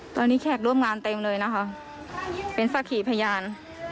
ตอนนี้แขกร่วมงานเต็มเลยนะคะเป็นสักขีพยาน